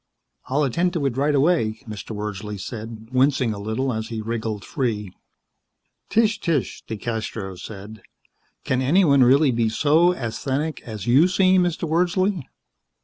"I'll attend to it right away," Mr. Wordsley said, wincing a little as he wriggled free. "Tch, tch," DeCastros said, "can anyone really be so asthenic as you seem, Mr. Wordsley?"